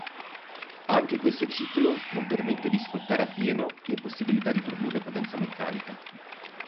Anche questo ciclo non permette di sfruttare appieno le possibilità di produrre potenza meccanica.